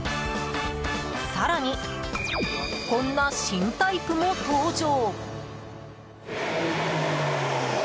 更に、こんな新タイプも登場。